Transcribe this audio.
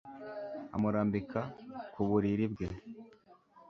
amurambika ku buriri bwe